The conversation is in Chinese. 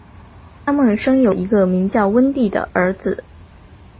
他们生有一个名叫温蒂的儿子。